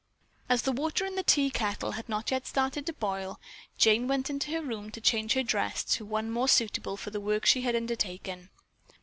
As the water in the tea kettle had not yet started to boil, Jane went to her room to change her dress to one more suitable for the work she had undertaken.